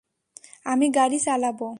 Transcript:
আমি গাড়ি চালাবো।